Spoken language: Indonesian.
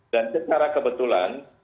dan secara kebetulan